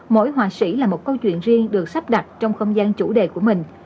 mỗi họa sĩ là một câu chuyện riêng được sắp đặt trong không gian chủ đề của mình